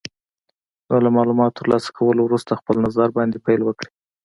نو له مالوماتو تر لاسه کولو وروسته خپل نظر باندې پیل وکړئ.